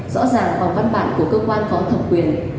rõ ràng bằng văn bản của cơ quan có thẩm quyền